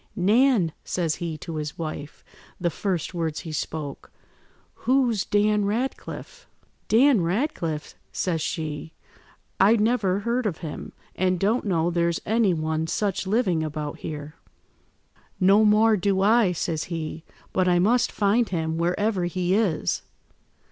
"'Nan,' says he to his wife, the first words he spoke, 'who's Dan Ratcliffe?' "'Dan Ratcliffe,' says she. 'I never heard of him, and don't know there's any one such living about here.' "'No more do I,' says he, 'but I must find him wherever he is.